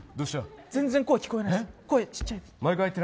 全然声が聞こえないです。